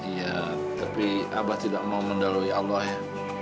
iya tapi abah tidak mau mendalui allah ya